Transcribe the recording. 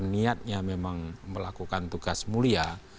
niatnya memang melakukan tugas mulia